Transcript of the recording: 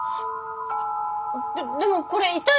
ででもこれ痛いのでは？